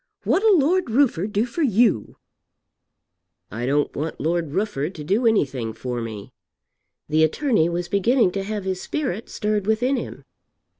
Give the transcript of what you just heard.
What'll Lord Rufford do for you?" "I don't want Lord Rufford to do anything for me." The attorney was beginning to have his spirit stirred within him.